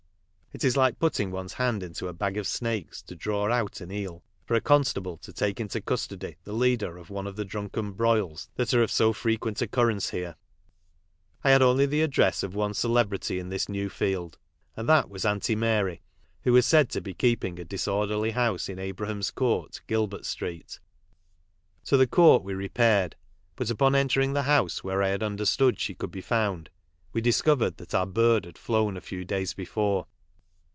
It is like putting one's hand into a bag of snakes to draw out an eel, for a constable to take into custody the leader of one of the drunken broils that are o* so frequent occurrence here. I had only the address of ono celebrity in this new field, and that was Aunty Mary, who was said to be keeping a disorderly house in Abraham's court, Gilbert street, To the court we repaired, but, Hi CBTMIMAL MANCHESTER— A DOG FIGHT t BRUTALITY AND rOVERTY. upon eutering the house wh^re I had understood she could be found, we discovered that our bird had flown a few days before.